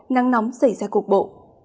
nắng nóng xảy ra cuộc bộ